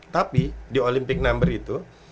tapi di olympic number itu